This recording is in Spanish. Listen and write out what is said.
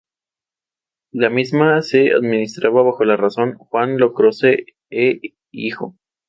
La misma se administraba bajo la razón "Juan Lacroze e Hijo".